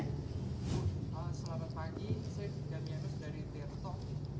selamat pagi safe damianus dari tirto